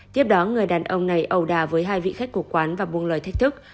tiếp đó người đàn ông này ầu đà với hai vị khách của quán và buông lời thách thức